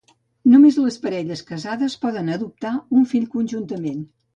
Només les parelles casades poden adoptar un fill conjuntament.